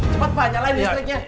cepat pak nyalain listriknya